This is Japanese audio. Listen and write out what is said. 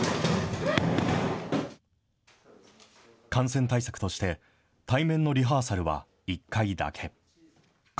感染対策として対面のリハーサルは１回だけ。